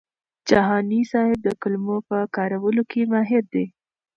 جهاني صاحب د کلمو په کارولو کي ماهر دی.